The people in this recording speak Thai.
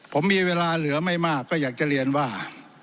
ผมมีเวลาเหลือไม่มากก็อยากจะเรียนว่า